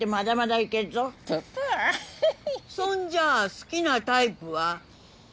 そんじゃあ好きなタイプは？